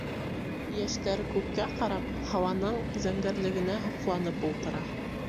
Йәштәр күккә ҡарап, һауаның зәңгәрлегенә һоҡланып ултыра.